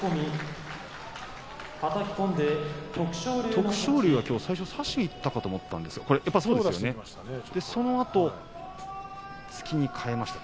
徳勝龍はきょうは最初差しにいったかと思ったんですがそのあと突きに変えました。